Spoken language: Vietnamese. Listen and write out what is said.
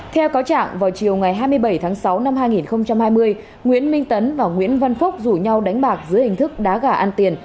theo cáo trạng vào chiều ngày hai mươi bảy tháng sáu năm hai nghìn hai mươi nguyễn minh tấn và nguyễn văn phúc rủ nhau đánh bạc dưới hình thức đá gà ăn tiền